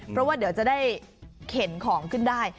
เพราะว่าเดี๋ยวจะได้เข็นของขึ้นได้